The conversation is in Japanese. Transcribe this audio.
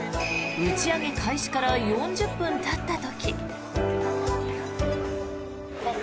打ち上げ開始から４０分たった時。